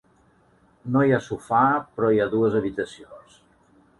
No hi ha sofà, però hi ha dues habitacions.